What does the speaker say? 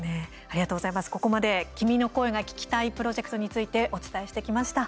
ここまで君の声が聴きたいプロジェクトについてお伝えしてきました。